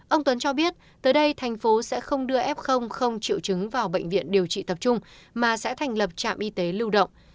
ông tuấn cho biết tới đây thành phố sẽ không đưa f không triệu chứng vào bệnh viện điều trị tập trung mà sẽ thành lập trạm y tế lưu động